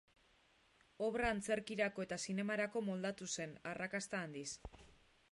Obra antzerkirako eta zinemarako moldatu zen, arrakasta handiz.